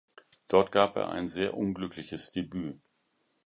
Dort gab er ein sehr unglückliches Debüt.